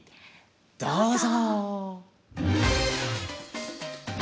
どうぞ。